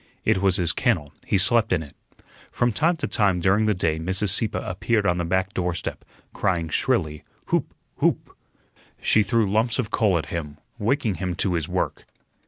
It was his kennel; he slept in it. From time to time during the day Mrs. Sieppe appeared on the back doorstep, crying shrilly, "Hoop, hoop!" She threw lumps of coal at him, waking him to his work.